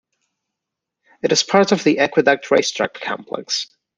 It is part of the Aqueduct Racetrack complex.